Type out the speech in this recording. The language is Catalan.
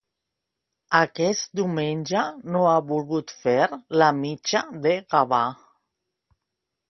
Aquest diumenge no ha volgut fer la Mitja de Gavà.